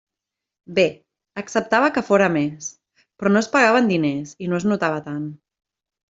Bé: acceptava que fóra més; però no es pagava en diners i no es notava tant.